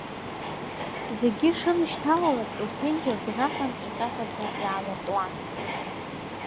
Зегьы шынышьҭалалак, лԥенџьыр днахан иҟьаҟьаӡа иаалыртуан.